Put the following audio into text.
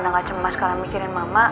karena gak cemas kalian mikirin mama